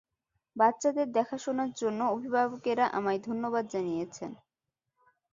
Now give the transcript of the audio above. বাচ্চাদের দেখাশোনার জন্য অভিভাবকেরা আমায় ধন্যবাদ জানিয়েছে।